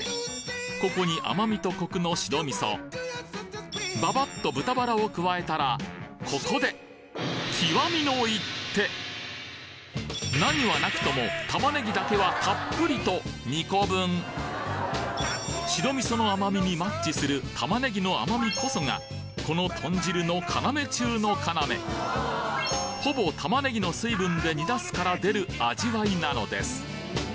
ここに甘みとコクの白味噌ババッと豚バラを加えたらここで何はなくとも玉ねぎだけはたっぷりと２個分白味噌の甘みにマッチする玉ねぎの甘みこそがこのとん汁の要中の要ほぼ玉ねぎの水分で煮出すから出る味わいなのです